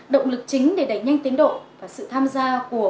động lực chính để đánh nhanh tiến độ và sự tham gia